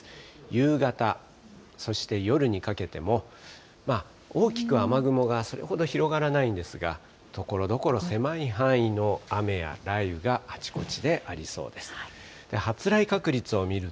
夕方、そして夜にかけても、大きく雨雲がそれほど広がらないんですが、ところどころ狭い範囲の雨や雷雨があちこちでありそうです。